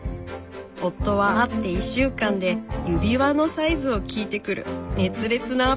夫は会って１週間で指輪のサイズを聞いてくる熱烈なアプローチでした。